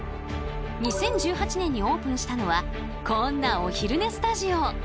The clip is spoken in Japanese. ２０１８年にオープンしたのはこんなお昼寝スタジオ。